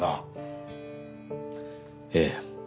ええ。